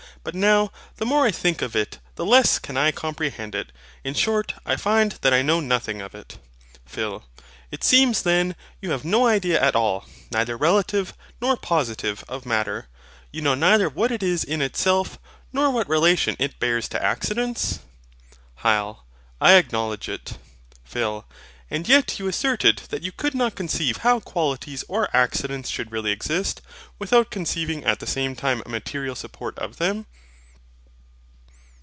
But now, the more I think on it the less can I comprehend it: in short I find that I know nothing of it. PHIL. It seems then you have no idea at all, neither relative nor positive, of Matter; you know neither what it is in itself, nor what relation it bears to accidents? HYL. I acknowledge it. PHIL. And yet you asserted that you could not conceive how qualities or accidents should really exist, without conceiving at the same time a material support of them?